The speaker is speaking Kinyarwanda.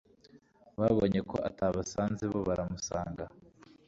Babonye ko atabasanze, bo baramusanga.